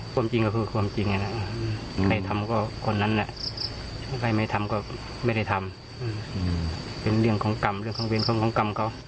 ความจริงก็คือความจริงใครทำก็คนนั้นใครไม่ทำก็ไม่ได้ทำเป็นเรื่องของกรรมเพื่อนของกรรมเขา